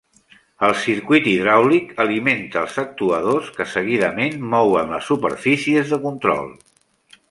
El circuit hidràulic alimenta els actuadors que, seguidament, mouen les superfícies de control.